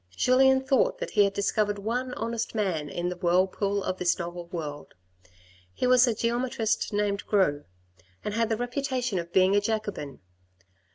Julien thought that he had discovered one honest man in the whirlpool of this novel world. He was a geometrist named Gros, and had the reputation of being a Jacobin.